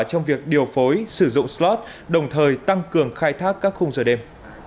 trong việc điều phối sử dụng slot đồng thời tăng cường khai thác các khung giờ đêm